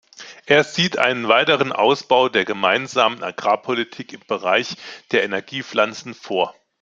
Er sieht einen weiteren Ausbau der Gemeinsamen Agrarpolitik im Bereich der Energiepflanzen vor.